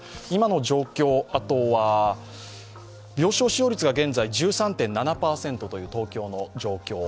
今の状況、あとは病床使用率が現在１３．７％という東京の状況。